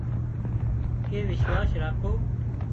ڪي وشواس راکو